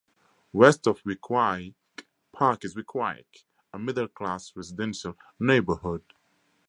West of Weequahic Park is Weequahic, a middle-class residential neighborhood.